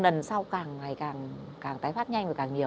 lần sau càng ngày càng tái phát nhanh